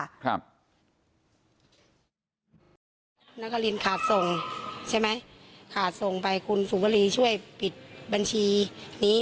นครินขาดส่งใช่ไหมขาดส่งไปคุณสุวรีช่วยปิดบัญชีนี้